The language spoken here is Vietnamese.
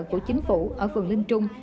của chính phủ ở phường linh trung